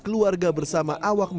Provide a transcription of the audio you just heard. keluarga bersama awak minum